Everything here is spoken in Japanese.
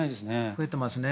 増えていますね。